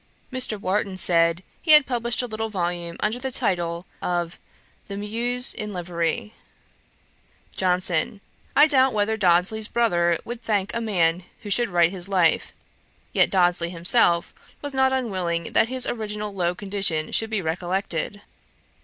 Mr. Warton said, he had published a little volume under the title of The Muse in Livery . JOHNSON. 'I doubt whether Dodsley's brother would thank a man who should write his life: yet Dodsley himself was not unwilling that his original low condition should be recollected.